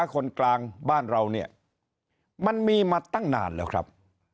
คนกลางบ้านเราเนี่ยมันมีมาตั้งนานแล้วครับ